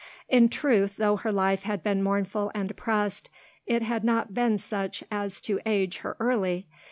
In truth, though her life had been mournful and oppressed, it had not been such as to age her early.